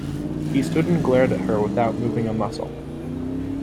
He stood and glared at her without moving a muscle.